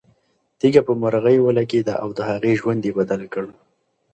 تیږه په مرغۍ ولګېده او د هغې ژوند یې بدل کړ.